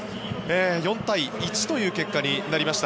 ４対１という結果になりました。